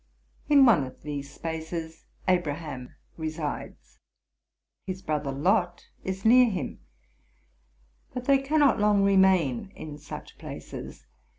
In one of these spaces Abraham resides ; his brother Lot is near him: but they cannot long remain in such places.